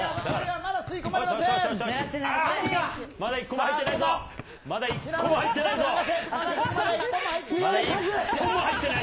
まだ１個も入っていない。